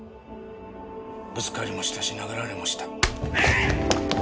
ぶつかりもしたし殴られもした。